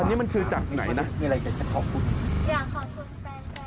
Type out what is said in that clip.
อันนี้มันคือจากไหนนะอยากขอบคุณแฟน